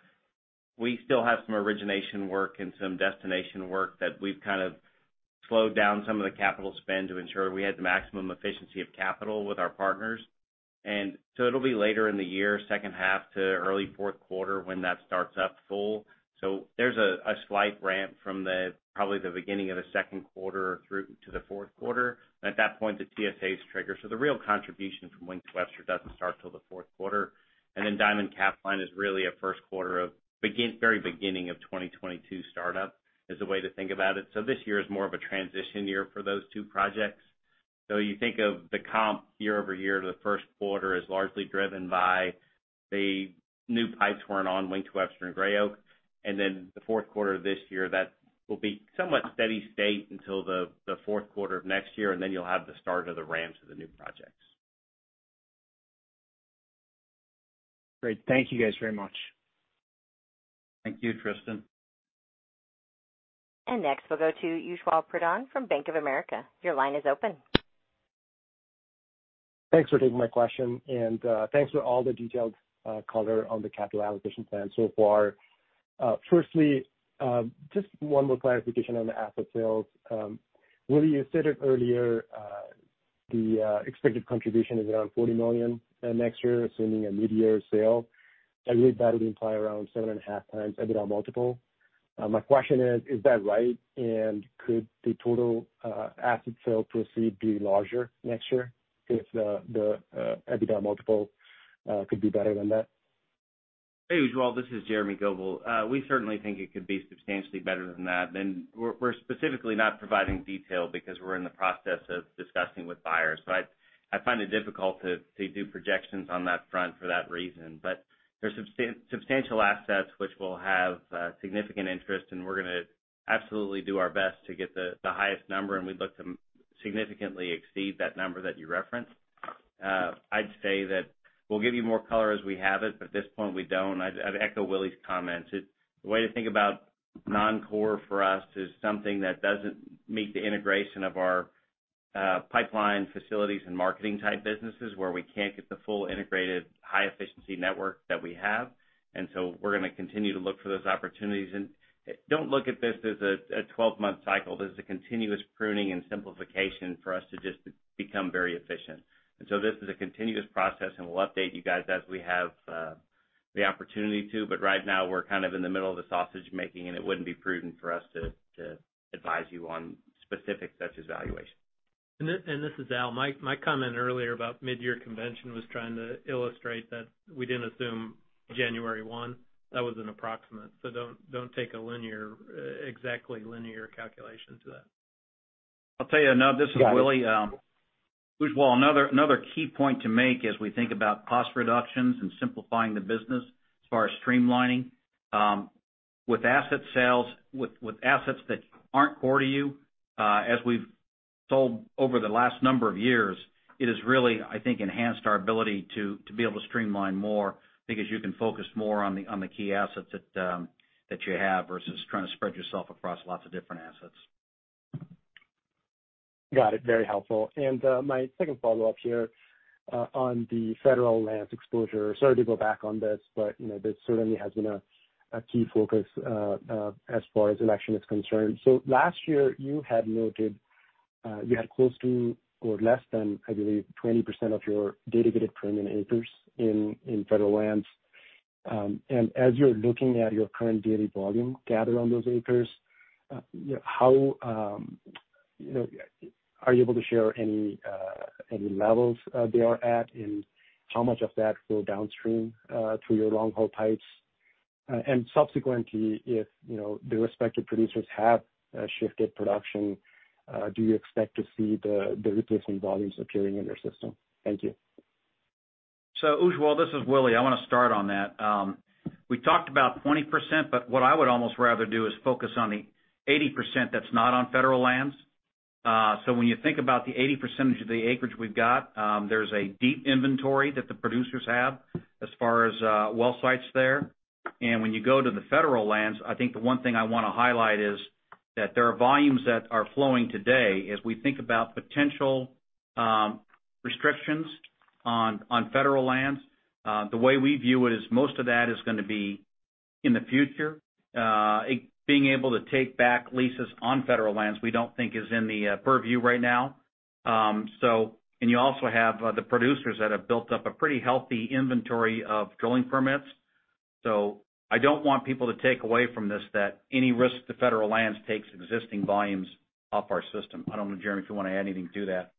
We still have some origination work and some destination work that we've kind of slowed down some of the capital spend to ensure we had the maximum efficiency of capital with our partners. It'll be later in the year, second half to early fourth quarter, when that starts up full. There's a slight ramp from probably the beginning of the second quarter through to the fourth quarter. At that point, the TSAs trigger. The real contribution from Wink to Webster doesn't start till the fourth quarter. Diamond Capline is really a first quarter of very beginning of 2022 startup is the way to think about it. This year is more of a transition year for those two projects. You think of the comp year-over-year to the first quarter is largely driven by the new pipes weren't on Wink to Webster and Gray Oak, and then the fourth quarter of this year, that will be somewhat steady state until the fourth quarter of next year, and then you'll have the start of the ramps of the new projects. Great. Thank you guys very much. Thank you, Tristan. Next we'll go to Ujjwal Pradhan from Bank of America. Your line is open. Thanks for taking my question, and thanks for all the detailed color on the capital allocation plan so far. Firstly, just one more clarification on the asset sales. Willie, you said it earlier, the expected contribution is around $40 million next year, assuming a midyear sale. I read that would imply around 7.5x EBITDA multiple. My question is that right? Could the total asset sale proceed be larger next year if the EBITDA multiple could be better than that? Hey, Ujjwal, this is Jeremy Goebel. We certainly think it could be substantially better than that. We're specifically not providing detail because we're in the process of discussing with buyers. I find it difficult to do projections on that front for that reason. There's substantial assets which will have significant interest, and we're going to absolutely do our best to get the highest number, and we'd look to significantly exceed that number that you referenced. I'd say that we'll give you more color as we have it, but at this point we don't. I'd echo Willie's comments. The way to think about non-core for us is something that doesn't meet the integration of our pipeline facilities and marketing type businesses where we can't get the full integrated high efficiency network that we have. We're going to continue to look for those opportunities. Don't look at this as a 12-month cycle. This is a continuous pruning and simplification for us to just become very efficient. This is a continuous process, and we'll update you guys as we have the opportunity to, but right now we're kind of in the middle of the sausage making, and it wouldn't be prudent for us to advise you on specifics such as valuation. This is Al. My comment earlier about midyear convention was trying to illustrate that we didn't assume January one. That was an approximate. Don't take a exactly linear calculation to that. I'll tell you, Nav. This is Willie. Ujjwal, another key point to make as we think about cost reductions and simplifying the business as far as streamlining. With asset sales, with assets that aren't core to you, as we've sold over the last number of years, it has really, I think, enhanced our ability to be able to streamline more because you can focus more on the key assets that you have versus trying to spread yourself across lots of different assets. Got it. Very helpful. My second follow-up here on the federal lands exposure. Sorry to go back on this certainly has been a key focus as far as election is concerned. Last year you had noted you had close to or less than, I believe, 20% of your dedicated permanent acres in federal lands. As you're looking at your current daily volume gathered on those acres, are you able to share any levels they are at and how much of that flow downstream through your long-haul pipes? Subsequently, if the respective producers have shifted production, do you expect to see the replacement volumes appearing in your system? Thank you. Ujjwal, this is Willie. I want to start on that. We talked about 20%. What I would almost rather do is focus on the 80% that's not on federal lands. When you think about the 80% of the acreage we've got, there's a deep inventory that the producers have as far as well sites there. When you go to the federal lands, I think the one thing I want to highlight is that there are volumes that are flowing today as we think about potential restrictions on federal lands. The way we view it is most of that is going to be in the future. Being able to take back leases on federal lands, we don't think is in the purview right now. You also have the producers that have built up a pretty healthy inventory of drilling permits. I don't want people to take away from this that any risk to federal lands takes existing volumes off our system. I don't know, Jeremy, if you want to add anything to that.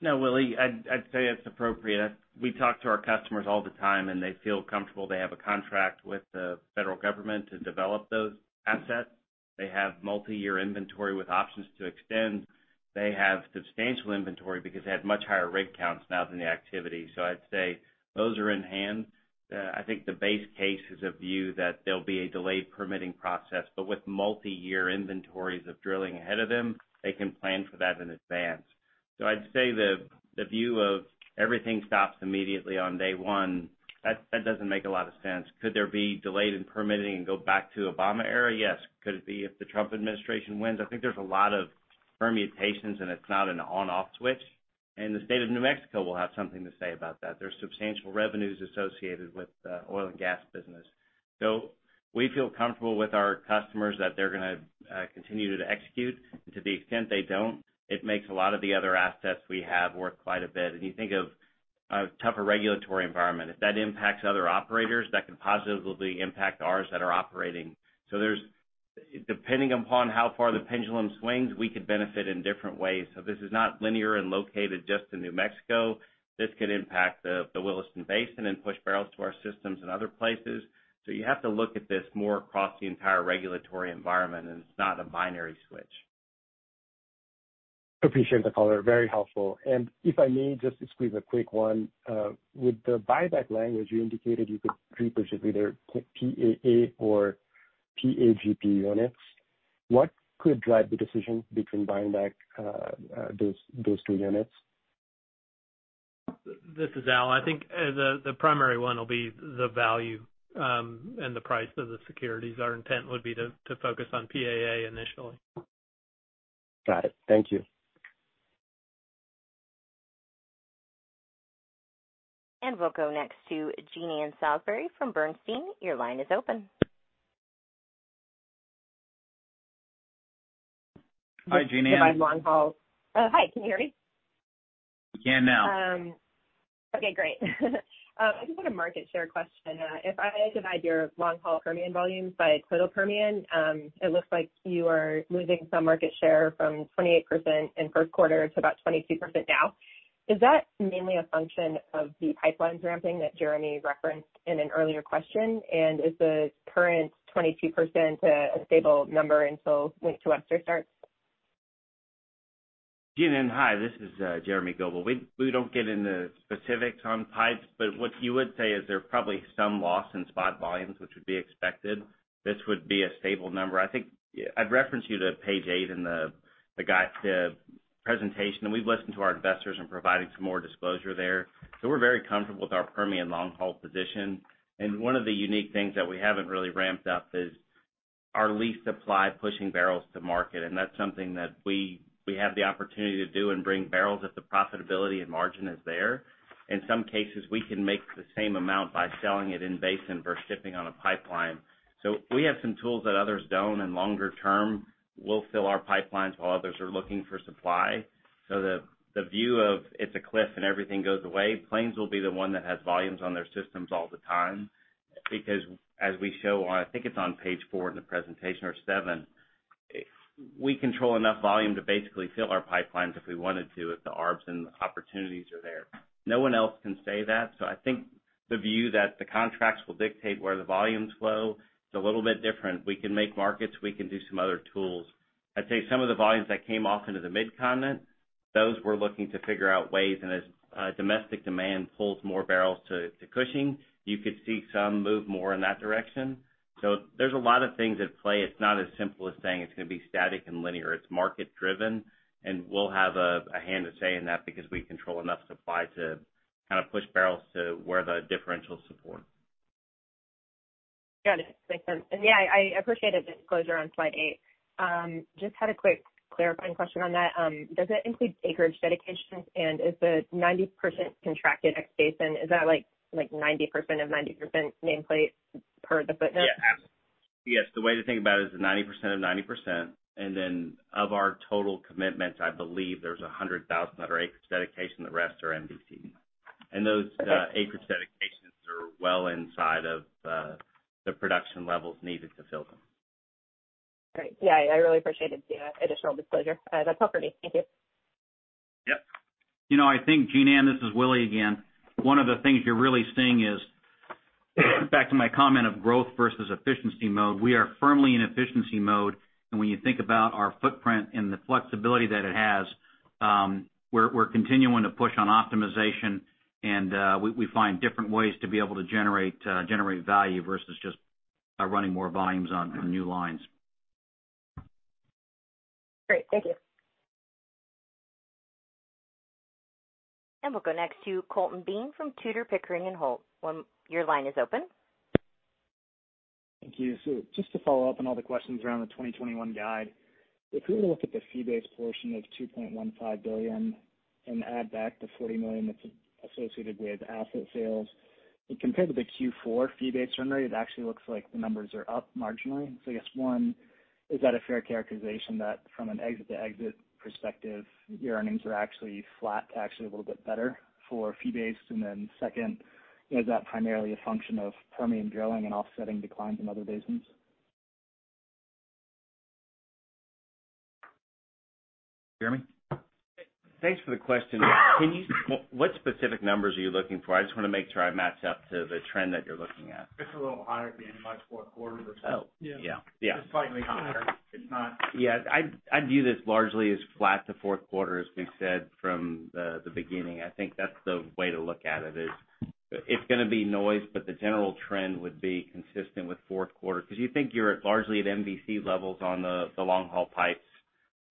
No, Willie, I'd say it's appropriate. We talk to our customers all the time, they feel comfortable they have a contract with the federal government to develop those assets. They have multi-year inventory with options to extend. They have substantial inventory because they have much higher rig counts now than the activity. I'd say those are in hand. I think the base case is a view that there'll be a delayed permitting process, with multi-year inventories of drilling ahead of them, they can plan for that in advance. I'd say the view of everything stops immediately on day one, that doesn't make a lot of sense. Could there be delayed in permitting and go back to Obama era? Yes. Could it be if the Trump administration wins? I think there's a lot of permutations, it's not an on-off switch. The state of New Mexico will have something to say about that. There's substantial revenues associated with oil and gas business. We feel comfortable with our customers that they're going to continue to execute. To the extent they don't, it makes a lot of the other assets we have worth quite a bit. If you think of a tougher regulatory environment, if that impacts other operators, that can positively impact ours that are operating. Depending upon how far the pendulum swings, we could benefit in different ways. This is not linear and located just in New Mexico. This could impact the Williston Basin and push barrels to our systems in other places. You have to look at this more across the entire regulatory environment, and it's not a binary switch. Appreciate the color. Very helpful. If I may just squeeze a quick one. With the buyback language, you indicated you could repurchase either PAA or PAGP units. What could drive the decision between buying back those two units? This is Al. I think the primary one will be the value and the price of the securities. Our intent would be to focus on PAA initially. Got it. Thank you. We'll go next to Jean Ann Salisbury from Bernstein. Your line is open. Hi, Jean Ann. Oh, hi. Can you hear me? Yeah, now. Okay, great. I just had a market share question. If I divide your long-haul Permian volumes by total Permian, it looks like you are losing some market share from 28% in first quarter to about 22% now. Is that mainly a function of the pipeline ramping that Jeremy referenced in an earlier question? Is the current 22% a stable number until Wink to Webster starts? Jean Ann, hi, this is Jeremy Goebel. We don't get into specifics on pipes, but what you would say is there probably some loss in spot volumes, which would be expected. This would be a stable number. I'd reference you to page eight in the guide, the presentation. We've listened to our investors in providing some more disclosure there. We're very comfortable with our Permian long-haul position. One of the unique things that we haven't really ramped up is our lease supply pushing barrels to market, and that's something that we have the opportunity to do and bring barrels if the profitability and margin is there. In some cases, we can make the same amount by selling it in basin versus shipping on a pipeline. We have some tools that others don't, and longer term, we'll fill our pipelines while others are looking for supply. The view of it's a cliff and everything goes away, Plains will be the one that has volumes on their systems all the time because as we show on, I think it's on page four in the presentation or seven, we control enough volume to basically fill our pipelines if we wanted to, if the arbs and opportunities are there. No one else can say that. The view that the contracts will dictate where the volumes flow, it's a little bit different. We can make markets, we can do some other tools. I'd say some of the volumes that came off into the Midcontinent, those we're looking to figure out ways, and as domestic demand pulls more barrels to Cushing, you could see some move more in that direction. There's a lot of things at play. It's not as simple as saying it's going to be static and linear. It's market-driven, and we'll have a hand to say in that because we control enough supply to kind of push barrels to where the differential support. Got it. Makes sense. Yeah, I appreciate the disclosure on slide eight. Just had a quick clarifying question on that. Does that include acreage dedications, and is the 90% contracted at basin, is that like 90% of 90% nameplate per the footnote? Yes. The way to think about it is the 90% of 90%, and then of our total commitments, I believe there's 100,000 that are acreage dedication, the rest are MVC. Those acreage dedications are well inside of the production levels needed to fill them. Great. Yeah, I really appreciate it, the additional disclosure. That's all for me. Thank you. Yep. You know, I think, Jean Ann, this is Willie again. One of the things you're really seeing is, back to my comment of growth versus efficiency mode, we are firmly in efficiency mode. When you think about our footprint and the flexibility that it has, we're continuing to push on optimization and we find different ways to be able to generate value versus just running more volumes on new lines. Great. Thank you. We'll go next to Colton Bean from Tudor, Pickering & Holt. Thank you. Just to follow up on all the questions around the 2021 guide. If we were to look at the fee-based portion of $2.15 billion and add back the $40 million that's associated with asset sales, but compared to the Q4 fee-based revenue, it actually looks like the numbers are up marginally. I guess, one, is that a fair characterization that from an exit-to-exit perspective, your earnings are actually flat to actually a little bit better for fee based? Second, is that primarily a function of Permian drilling and offsetting declines in other basins? Jeremy? Thanks for the question. What specific numbers are you looking for? I just want to make sure I match up to the trend that you're looking at. It's a little higher than last fourth quarter. Oh, yeah. Just slightly higher. I view this largely as flat to fourth quarter, as we said from the beginning. I think that's the way to look at it is, it's going to be noise, but the general trend would be consistent with fourth quarter. You think you're largely at MVC levels on the long-haul pipes,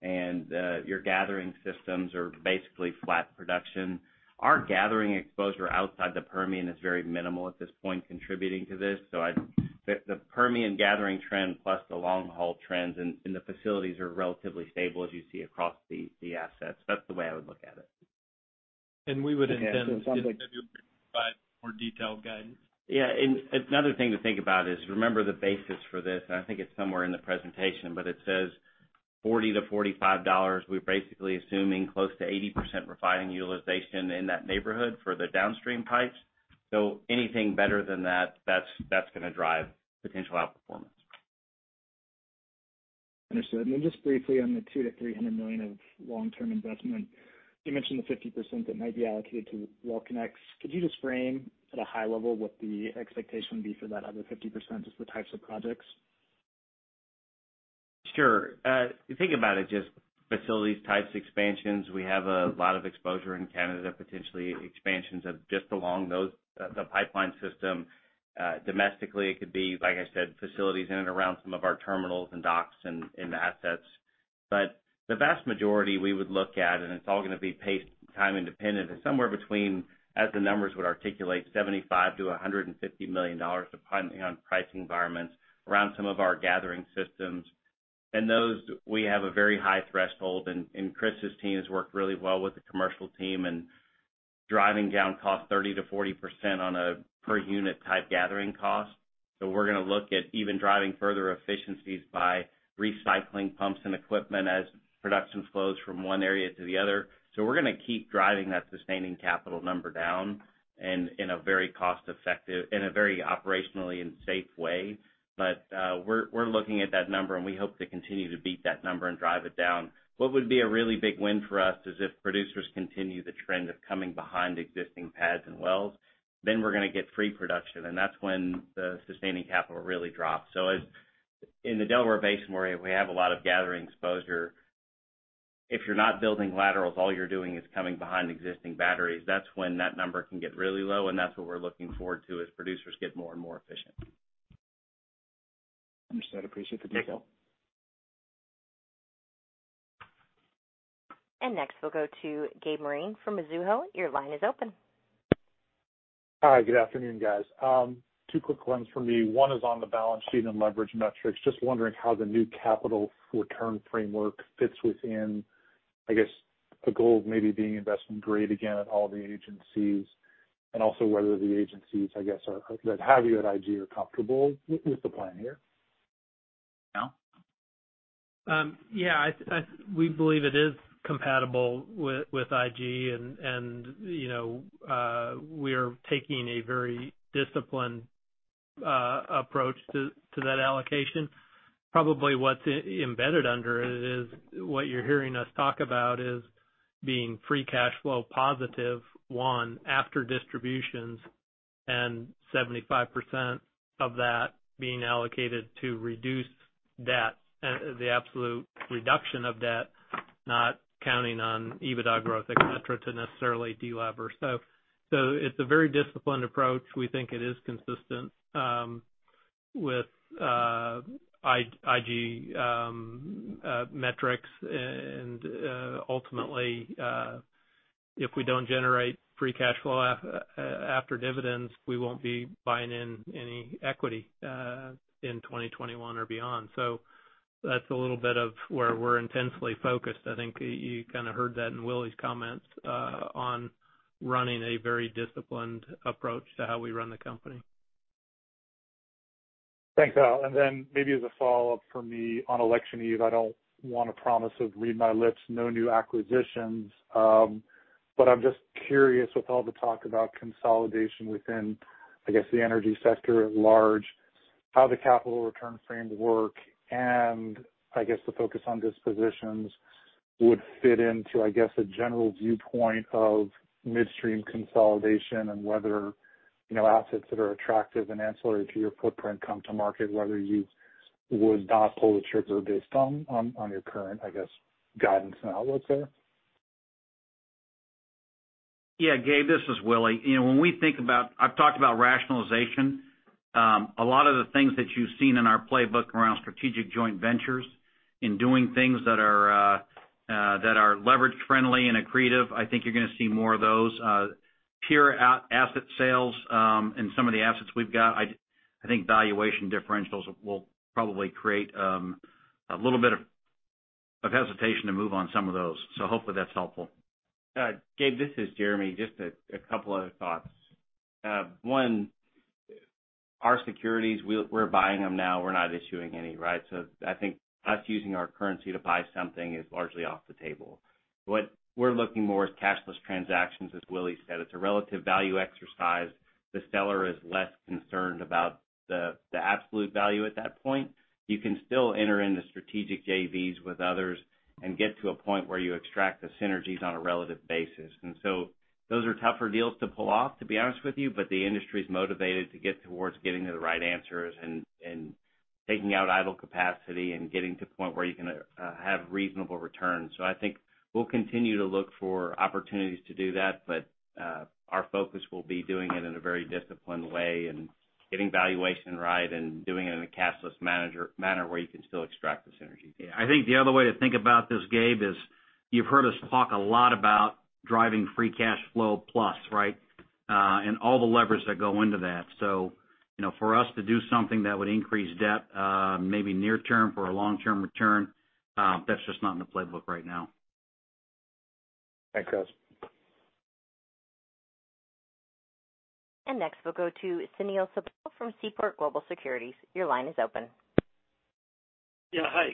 and your gathering systems are basically flat production. Our gathering exposure outside the Permian is very minimal at this point, contributing to this. I think the Permian gathering trend plus the long-haul trends in the facilities are relatively stable as you see across the assets. That's the way I would look at it. We would intend to provide more detailed guidance. Yeah. Another thing to think about is, remember the basis for this, and I think it's somewhere in the presentation, it says $40-$45, we're basically assuming close to 80% refining utilization in that neighborhood for the downstream pipes. Anything better than that's going to drive potential outperformance. Understood. Just briefly on the $200 million-$300 million of long-term investment, you mentioned the 50% that might be allocated to well connects. Could you just frame at a high level what the expectation would be for that other 50%, just the types of projects? Sure. If you think about it, just facilities types expansions. We have a lot of exposure in Canada, potentially expansions of just along those, the pipeline system. Domestically, it could be, like I said, facilities in and around some of our terminals and docks and assets. The vast majority we would look at, and it's all going to be paced time independent, is somewhere between, as the numbers would articulate, $75 million-$150 million, depending on price environments, around some of our gathering systems. Those, we have a very high threshold, and Chris's team has worked really well with the commercial team in driving down cost 30%-40% on a per unit type gathering cost. We're going to look at even driving further efficiencies by recycling pumps and equipment as production flows from one area to the other. We're going to keep driving that sustaining capital number down in a very cost-effective, in a very operationally and safe way. We're looking at that number, and we hope to continue to beat that number and drive it down. What would be a really big win for us is if producers continue the trend of coming behind existing pads and wells, then we're going to get free production, and that's when the sustaining capital really drops. In the Delaware Basin, where we have a lot of gathering exposure, if you're not building laterals, all you're doing is coming behind existing batteries. That's when that number can get really low, and that's what we're looking forward to as producers get more and more efficient. Understood. Appreciate the detail. Yep. Next, we'll go to Gabe Moreen from Mizuho. Your line is open. Hi, good afternoon, guys. Two quick ones from me. One is on the balance sheet and leverage metrics. Just wondering how the new capital return framework fits within, I guess, the goal of maybe being investment grade again at all the agencies. Also whether the agencies, I guess, that have you at IG are comfortable with the plan here. Al? Yeah. We believe it is compatible with IG, and we are taking a very disciplined. Approach to that allocation. Probably what's embedded under it is what you're hearing us talk about is being free cash flow positive, after distributions, and 75% of that being allocated to reduce debt. The absolute reduction of debt, not counting on EBITDA growth, et cetera, to necessarily delever. It's a very disciplined approach. We think it is consistent with IG metrics and ultimately, if we don't generate free cash flow after dividends, we won't be buying in any equity in 2021 or beyond. That's a little bit of where we're intensely focused. I think you kind of heard that in Willie's comments on running a very disciplined approach to how we run the company. Thanks, Al. Maybe as a follow-up from me on election eve, I don't want to promise of read my lips, no new acquisitions. I'm just curious with all the talk about consolidation within, I guess the energy sector at large, how the capital return framework, and I guess the focus on dispositions would fit into, I guess, a general viewpoint of midstream consolidation and whether assets that are attractive and ancillary to your footprint come to market, whether you would not pull the trigger based on your current, I guess, guidance and outlook there. Yeah, Gabe, this is Willie. I've talked about rationalization. A lot of the things that you've seen in our playbook around strategic joint ventures in doing things that are leverage friendly and accretive. I think you're going to see more of those pure asset sales and some of the assets we've got. I think valuation differentials will probably create a little bit of hesitation to move on some of those. Hopefully that's helpful. Gabe, this is Jeremy. A couple other thoughts. One, our securities, we're buying them now. We're not issuing any, right? I think us using our currency to buy something is largely off the table. What we're looking more is cashless transactions. As Willie said, it's a relative value exercise. The seller is less concerned about the absolute value at that point. You can still enter into strategic JVs with others and get to a point where you extract the synergies on a relative basis. Those are tougher deals to pull off, to be honest with you. The industry is motivated to get towards getting to the right answers and taking out idle capacity and getting to a point where you can have reasonable returns. I think we'll continue to look for opportunities to do that. Our focus will be doing it in a very disciplined way and getting valuation right and doing it in a cashless manner where you can still extract the synergy. I think the other way to think about this, Gabe, is you've heard us talk a lot about driving free cash flow plus, right? All the levers that go into that. For us to do something that would increase debt maybe near term for a long-term return that's just not in the playbook right now. Thanks, guys. Next we'll go to Sunil Sibal from Seaport Global Securities. Your line is open. Yeah. Hi,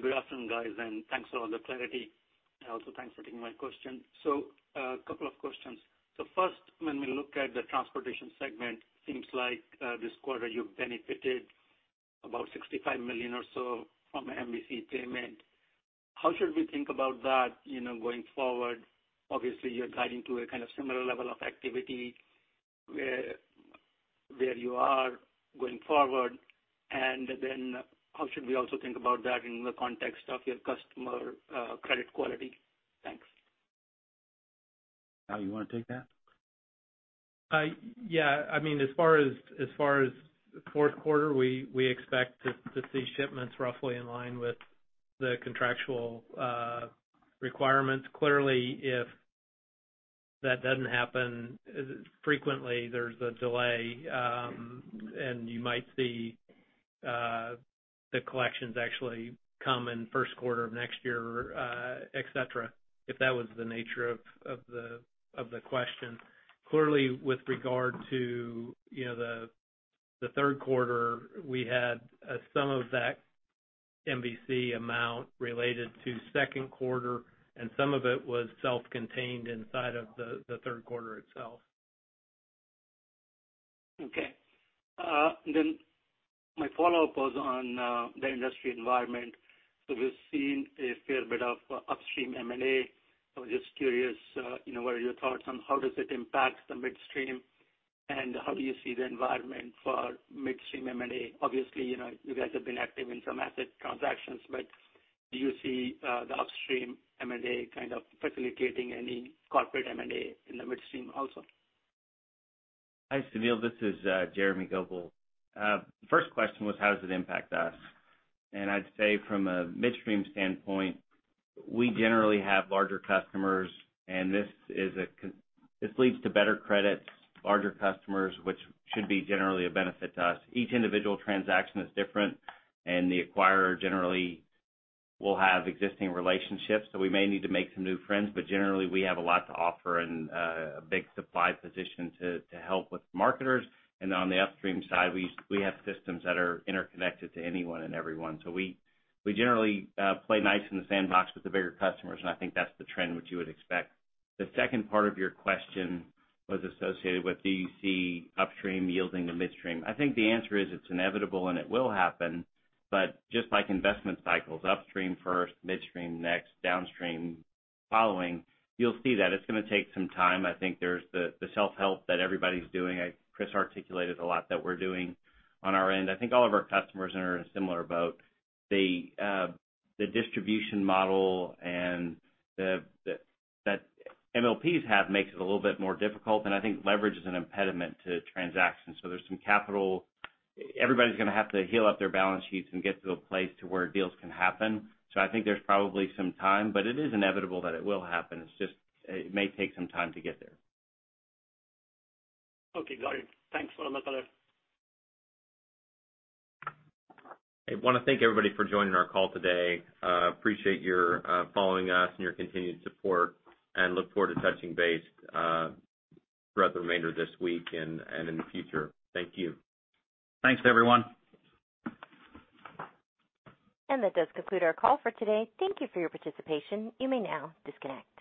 good afternoon, guys, and thanks for all the clarity. Also, thanks for taking my question. A couple of questions. First, when we look at the transportation segment, seems like this quarter you benefited about $65 million or so from MVC payment. How should we think about that going forward? Obviously, you're guiding to a kind of similar level of activity where you are going forward. Then how should we also think about that in the context of your customer credit quality? Thanks. Al, you want to take that? Yeah. As far as the fourth quarter, we expect to see shipments roughly in line with the contractual requirements. Clearly, if that doesn't happen frequently, there's a delay, and you might see the collections actually come in first quarter of next year, et cetera, if that was the nature of the question. Clearly, with regard to the third quarter, we had a sum of that MVC amount related to second quarter, and some of it was self-contained inside of the third quarter itself. Okay. My follow-up was on the industry environment. We've seen a fair bit of upstream M&A. I was just curious, what are your thoughts on how does it impact the midstream, and how do you see the environment for midstream M&A? Obviously, you guys have been active in some asset transactions, do you see the upstream M&A kind of facilitating any corporate M&A in the midstream also? Hi, Sunil. This is Jeremy Goebel. First question was how does it impact us? I'd say from a midstream standpoint, we generally have larger customers, and this leads to better credits, larger customers, which should be generally a benefit to us. Each individual transaction is different, the acquirer generally will have existing relationships. We may need to make some new friends, but generally, we have a lot to offer and a big supply position to help with marketers. On the upstream side, we have systems that are interconnected to anyone and everyone. We generally play nice in the sandbox with the bigger customers, and I think that's the trend which you would expect. The second part of your question was associated with do you see upstream yielding to midstream? I think the answer is it's inevitable, and it will happen, but just like investment cycles, upstream first, midstream next, downstream following, you'll see that it's going to take some time. I think there's the self-help that everybody's doing. Chris articulated a lot that we're doing on our end. I think all of our customers are in a similar boat. The distribution model that MLPs have makes it a little bit more difficult, and I think leverage is an impediment to transactions. There's some capital. Everybody's going to have to heal up their balance sheets and get to a place to where deals can happen. I think there's probably some time, but it is inevitable that it will happen. It may take some time to get there. Okay, got it. Thanks for all the color. I want to thank everybody for joining our call today. Appreciate your following us and your continued support. Look forward to touching base throughout the remainder of this week and in the future. Thank you. Thanks, everyone. That does conclude our call for today. Thank you for your participation. You may now disconnect.